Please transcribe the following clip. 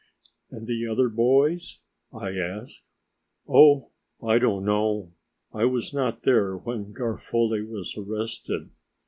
"And the other boys?" I asked. "Oh, I don't know. I was not there when Garofoli was arrested.